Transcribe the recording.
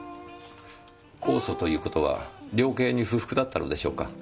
控訴という事は量刑に不服だったのでしょうか？